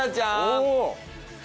お。